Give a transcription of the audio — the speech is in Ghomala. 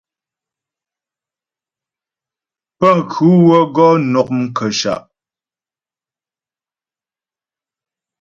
Pənkhʉ wə́ gɔ nɔ' mkəshâ'.